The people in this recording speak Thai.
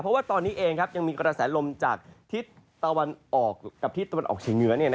เพราะว่าตอนนี้เองยังมีกระแสลมจากทิศตะวันออกกับทิศตะวันออกเฉียงเหนือ